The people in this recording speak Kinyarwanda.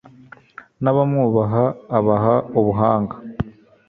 n'abamwubaha abaha ubuhanga